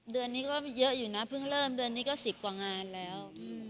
เดือนนี้เยอะอยู่นะพึ่งเริ่มสิบกว่างานแล้ว